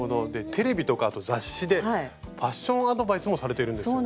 テレビとか雑誌でファッションアドバイスもされているんですよね。